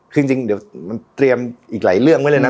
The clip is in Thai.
คือจริงเดี๋ยวมันเตรียมอีกหลายเรื่องไว้เลยนะ